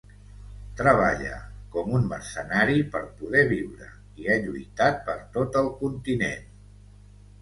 Treballa com un mercenari per poder viure i ha lluitat per tot el continent.